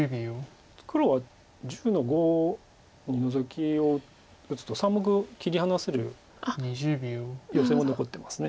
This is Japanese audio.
黒は１０の五ノゾキを打つと３目切り離せるヨセも残ってます。